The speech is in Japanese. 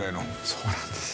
そうなんです。